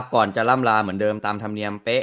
ก่อนจะล่ำลาเหมือนเดิมตามธรรมเนียมเป๊ะ